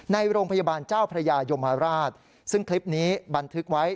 ในโรงพยาบาลเจ้าพระยายมราชซึ่งคลิปนี้บันทึกไว้